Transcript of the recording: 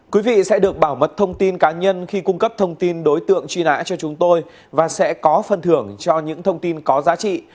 quý vị sẽ được bảo mật thông tin cá nhân khi cung cấp thông tin đối tượng truy nã cho chúng tôi và sẽ có phần thưởng cho những thông tin có giá trị